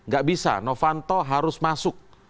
gak bisa novanto harus masuk